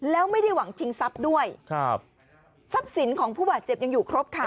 แล้วไม่ได้หวังชิงทรัพย์ด้วยครับทรัพย์สินของผู้บาดเจ็บยังอยู่ครบค่ะ